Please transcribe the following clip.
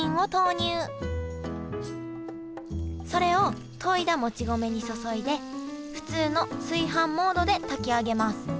それをといだもち米に注いで普通の炊飯モードで炊き上げます